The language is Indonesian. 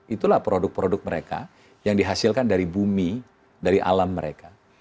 itulah produk produk mereka yang dihasilkan dari bumi dari alam mereka